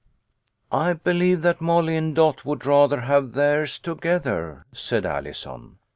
" I believe that Molly and Dot would rather have theirs together," said Allison.